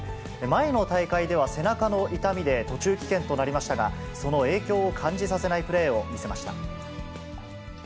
前の大会では背中の痛みで途中棄権となりましたが、その影響を感じさせないプレーを見せました。